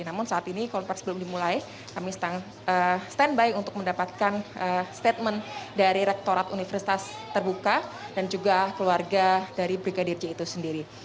namun saat ini konversi belum dimulai kami standby untuk mendapatkan statement dari rektorat universitas terbuka dan juga keluarga dari brigadir j itu sendiri